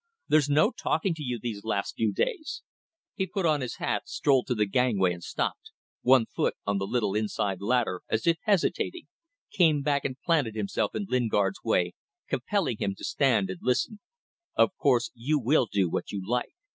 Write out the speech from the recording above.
"There's no talking to you these last few days." He put on his hat, strolled to the gangway and stopped, one foot on the little inside ladder, as if hesitating, came back and planted himself in Lingard's way, compelling him to stand still and listen. "Of course you will do what you like.